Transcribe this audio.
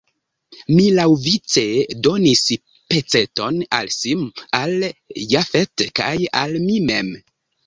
Mi laŭvice donis peceton al Sim, al Jafet kaj al mi mem.